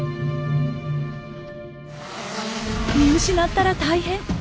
見失ったら大変！